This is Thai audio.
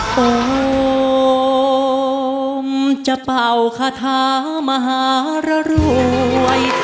ปมจะเป่าคาถามหารรวย